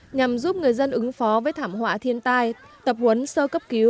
nhằm giúp người dân ứng phó với thảm họa thiên tai tập huấn sơ cấp cứu